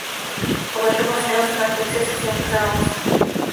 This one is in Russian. Пугачев остановился на крыльце и со всеми поздоровался.